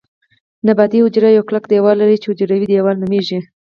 نباتي حجره یو کلک دیوال لري چې حجروي دیوال نومیږي